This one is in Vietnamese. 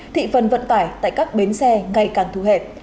thị phần vận tải tại các bến xe ngày càng thu hẹp